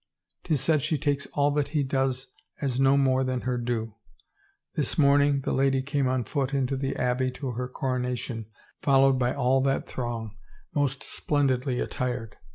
'Tis said she takes all that he does as no more than her due. ... This morning the lady came on foot into the Abbey to her coronation followed by all that throng, most splendidly attired.